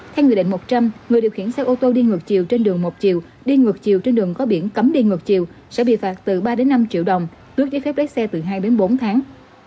theo nghị định một trăm linh người điều khiển xe ô tô đi ngược chiều trên đường một chiều đi ngược chiều trên đường có biển cấm đi ngược chiều sẽ bị phạt từ ba năm triệu đồng tước giấy phép lái xe từ hai bốn tháng